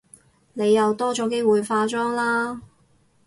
你又多咗機會化妝喇